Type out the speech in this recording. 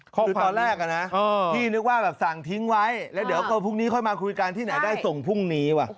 ขัวงานสั่ง๓ทุ่ม๒๔ส่งพรุ่งนี้